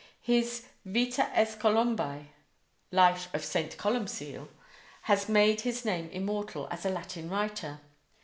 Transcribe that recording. His "Vita S. Columbae" ("Life of St. Columcille") has made his name immortal as a Latin writer.